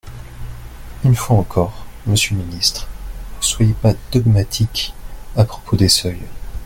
Une fois encore, monsieur le ministre, ne soyez pas dogmatique à propos des seuils.